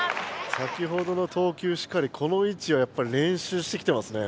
先ほどの投球しかりこのいちはやっぱり練習してきてますね。